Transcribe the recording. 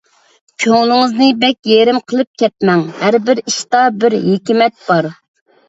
كۆڭلىڭىزنى بەك يېرىم قىلىپ كەتمەڭ، ھەربىر ئىشتا بىر ھېكمەت بار.